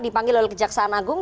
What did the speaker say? dipanggil oleh kejaksaan agung